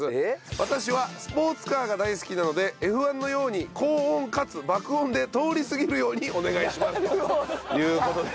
私はスポーツカーが大好きなのでＦ−１のように高音かつ爆音で通り過ぎるようにお願いしますという事でした。